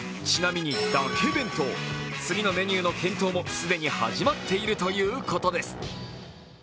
ちなみにだけ弁当、次のメニューの検討も既に始まっているということです。